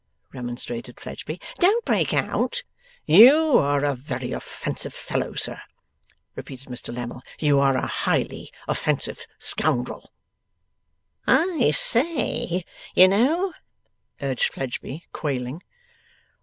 remonstrated Fledgeby. 'Don't break out.' 'You are a very offensive fellow sir,' repeated Mr Lammle. 'You are a highly offensive scoundrel!' 'I SAY, you know!' urged Fledgeby, quailing.